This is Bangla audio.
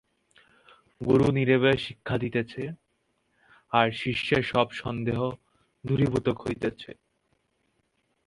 গুরু নীরবে শিক্ষা দিতেছেন, আর শিষ্যের সব সন্দেহ দূরীভূত হইতেছে।